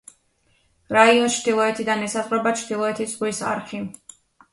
რაიონს ჩრდილოეთიდან ესაზღვრება ჩრდილოეთის ზღვის არხი.